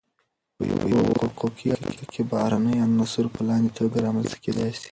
په یوه حقوقی اړیکی کی بهرنی عنصر په لاندی توګه رامنځته کیدای سی :